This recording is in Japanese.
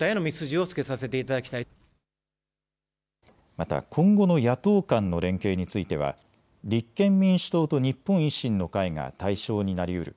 また今後の野党間の連携については立憲民主党と日本維新の会が対象になりうる。